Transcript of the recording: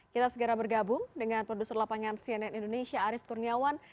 kita segera bergabung dengan produser lapangan cnn indonesia arief kurniawan